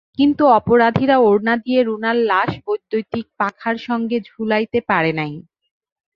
কিন্তু অপরাধীরা ওড়না দিয়ে রুনার লাশ বৈদ্যুতিক পাখার সঙ্গে ঝুলাইতে পারে নাই।